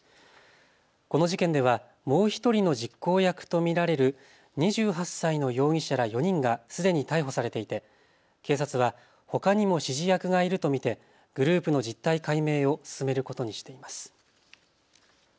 この事件ではもう１人の実行役と見られる２８歳の容疑者ら４人がすでに逮捕されていて警察はほかにも指示役がいると見てグループの実態解明を進めることにしています。